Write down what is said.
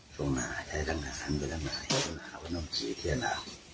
จงน่ะแล้วนั่งแสงกันมาอยู่น่ะวันนั้นกี่เตียนล่ะ